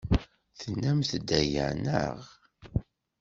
Tennamt-d aya, naɣ?